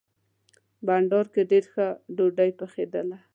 بانډار کې ډېره ښه ډوډۍ پخېدله.